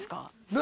何？